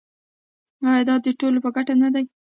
آیا دا د ټولو په ګټه نه ده؟